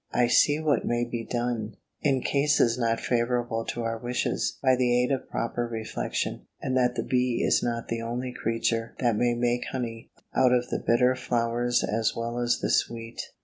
I see what may be done, in cases not favourable to our wishes, by the aid of proper reflection; and that the bee is not the only creature that may make honey out of the bitter flowers as well as the sweet.